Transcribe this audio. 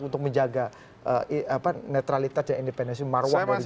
untuk menjaga netralitas dan independensi marwah dari jurnalisme